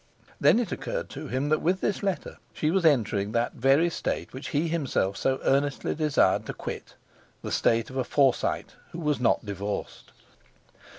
Then it occurred to him that with this letter she was entering that very state which he himself so earnestly desired to quit—the state of a Forsyte who was not divorced.